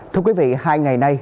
thưa quý vị hai ngày nay